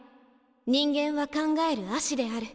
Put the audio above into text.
人間は考える葦である。